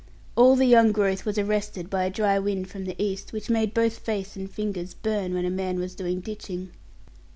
All the young growth was arrested by a dry wind from the east, which made both face and fingers burn when a man was doing ditching.